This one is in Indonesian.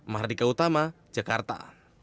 mardika utama jakarta